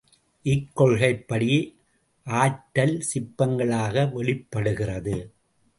இக்கொள்கைப்படி ஆற்றல் சிப்பங்களாக வெளிப்படுகிறது.